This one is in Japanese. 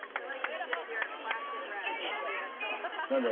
ちょっと待って何で？